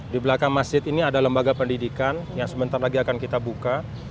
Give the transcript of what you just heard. di belakang masjid ini ada lembaga pendidikan yang sebentar lagi akan kita buka